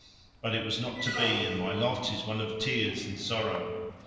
But it was not to be, and my lot is one of tears and sorrow.